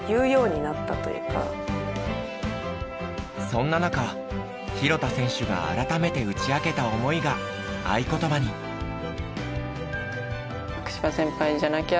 そんな中廣田選手が改めて打ち明けた思いが愛ことばに。と思います。